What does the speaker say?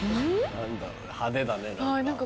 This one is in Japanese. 何だろう派手だね何か。